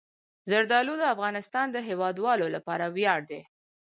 زردالو د افغانستان د هیوادوالو لپاره ویاړ دی.